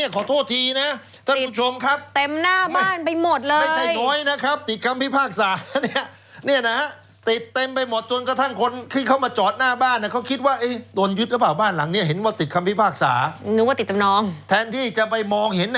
คุณผู้ชมลองดูนี่แหละครับโตไม่โตครับนี่คือบ้านเห็นไหม